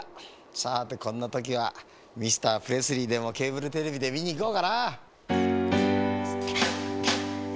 さてこんなときはミスタープレスリーでもケーブルテレビでみにいこうかな。